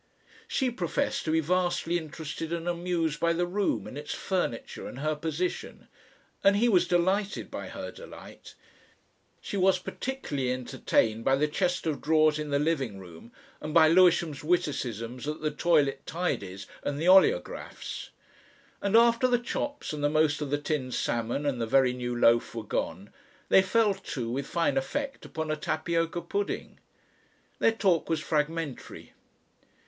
She professed to be vastly interested and amused by the room and its furniture and her position, and he was delighted by her delight. She was particularly entertained by the chest of drawers in the living room, and by Lewisham's witticisms at the toilet tidies and the oleographs. And after the chops and the most of the tinned salmon and the very new loaf were gone they fell to with fine effect upon a tapioca pudding. Their talk was fragmentary.